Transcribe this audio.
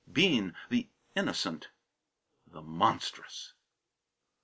Bean the innocent the monstrous!